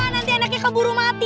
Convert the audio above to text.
nanti anaknya keburu mati